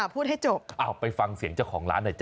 พูดให้จบไปฟังเสียงเจ้าของร้านหน่อยจ้